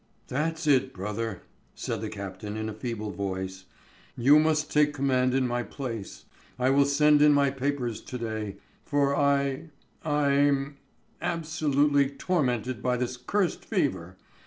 "That's it, brother," said the captain in a feeble voice. "You must take the command in my place. I will send in my papers to day, for I ... I ... 'm absolutely tormented by this cursed fever....